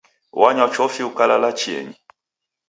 Wanywa chofi ukalala chienyi.